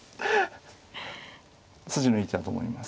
筋のいい手だと思います。